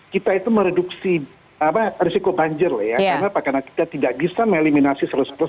kita itu mereduksi risiko banjir ya karena kita tidak bisa mengeliminasi seratus persen